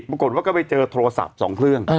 ปรากฏว่าก็ไปเจอโทรศัพท์๒เครื่อง